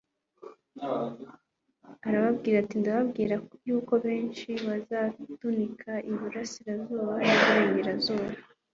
arababwira ati: «ndababwira yuko benshi bazatunika iburasirazuba n'iburengerazuba